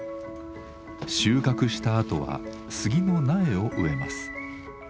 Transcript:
収穫したあとは杉の苗を植えます。